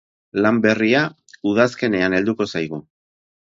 Lan berria udazkenean helduko zaigu.